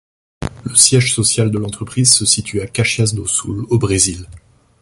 Le siège social de l'entreprise se situe à Caxias do Sul, au Brésil.